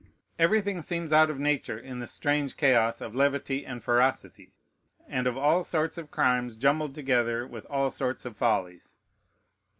Everything seems out of nature in this strange chaos of levity and ferocity, and of all sorts of crimes jumbled together with all sorts of follies.